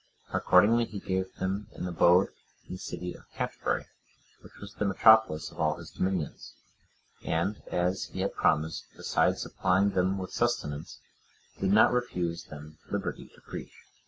Accordingly he gave them an abode in the city of Canterbury,(116) which was the metropolis of all his dominions, and, as he had promised, besides supplying them with sustenance, did not refuse them liberty to preach.